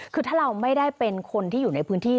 คือถ้าเราไม่ได้เป็นคนที่อยู่ในพื้นที่